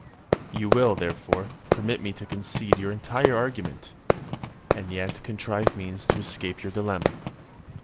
You will, therefore, permit me to concede your entire argument, and yet contrive means to escape your dilemma.